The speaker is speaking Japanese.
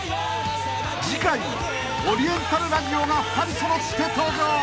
［次回オリエンタルラジオが２人揃って登場］